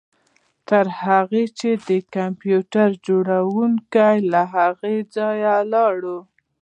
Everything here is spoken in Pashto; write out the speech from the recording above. تر هغه چې د کمپیوټر جوړونکی له هغه ځایه لاړ